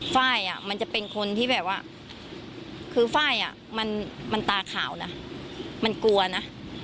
ไฟล์มันจะเป็นคนที่แบบว่าคือไฟล์มันตาขาวนะมันกลัวนะ